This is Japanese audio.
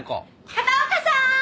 片岡さーん！